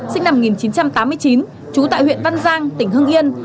sinh năm một nghìn chín trăm tám mươi chín trú tại huyện văn giang tỉnh hưng yên